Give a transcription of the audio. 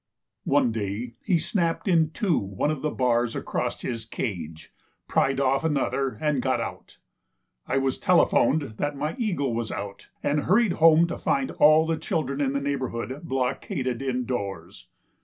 One day he snapped in two one of the bars across his cage, pried off another and got out. I was telephoned that my eagle was out, and hurried home to find all the children in the neighborhood blockaded indoors.